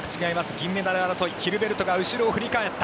銀メダル争いヒルベルトが後ろを振り返った。